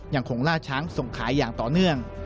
ยังคงล่าช้างส่งขายอย่างต่อเนื่อง